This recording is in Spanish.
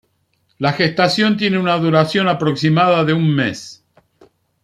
La gestación tiene una duración aproximada de un mes.